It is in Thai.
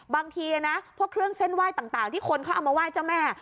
บางทีนะพวกเครื่องเส้นไหว้ต่างที่คนเขาเอามาไหว้เจ้าแม่